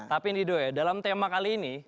tapi nidoy dalam tema kali ini